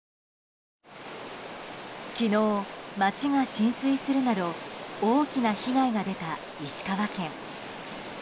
昨日、街が浸水するなど大きな被害が出た、石川県。